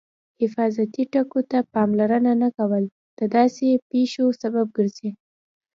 حفاظتي ټکو ته پاملرنه نه کول د داسې پېښو سبب ګرځي.